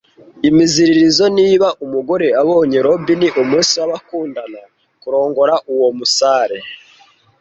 Imiziririzo niba umugore abonye robin umunsi w'abakundana kurongora uwo Umusare